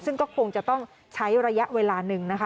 ซึ่งก็คงจะต้องใช้ระยะเวลาหนึ่งนะคะ